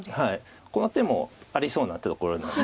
この手もありそうなところなので。